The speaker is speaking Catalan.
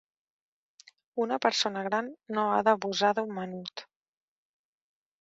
Una persona gran no ha d'abusar d'un menut.